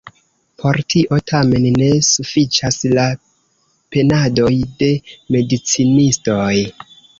Por tio, tamen, ne sufiĉas la penadoj de medicinistoj.